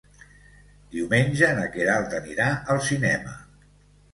Diumenge na Queralt anirà al cinema.